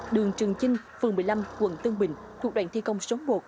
đường trường chinh phường một mươi năm quận tân bình thuộc đoàn thi công số một